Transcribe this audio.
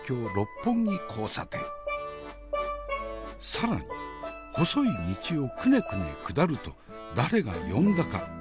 更に細い道をくねくね下ると誰が呼んだか芋洗坂。